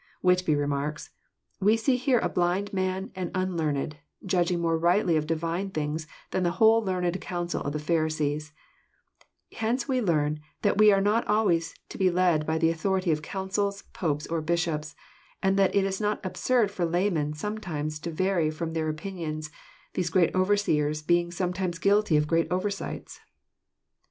Whitby remarks :" We see here a blind man and unlearned, / Judging more rightly of Divine things than the whole learned I council of the Pharisees I Hence we learn that we are not ' always to be led by the authority of councils, popes, or bishops, and that it is not absurd for laymen sometimes to vary ftom their opinions, these great overseers being sometimes guilty of great oversights."